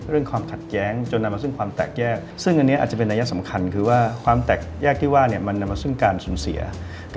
เรื่องความขัดแย้งจนนำมาซึ่งความแตกแยก